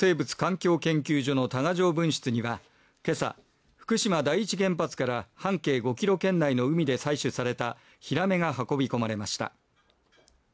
海洋生物環境研究所の多賀城分室には今朝、福島第一原発から半径５ｋｍ圏内の海で採取されたヒラメが運び込まれました。